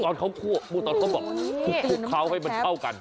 ตอนเขาคั่วตอนเขาบอกคลุกเคล้าให้มันเข้ากัน